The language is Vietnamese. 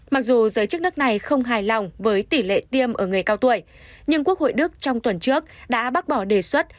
mặc dù giới chức nước này không hài lòng với tỷ lệ tiêm ở người cao tuổi nhưng quốc hội đức trong tuần trước đã bác bỏ đề xuất